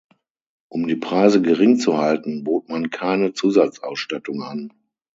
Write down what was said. Um die Preise gering zu halten, bot man keine Zusatzausstattung an.